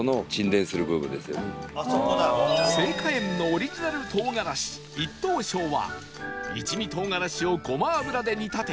盛華園のオリジナル唐辛子一唐笑は一味唐辛子をごま油で煮立て